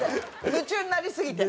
夢中になりすぎて。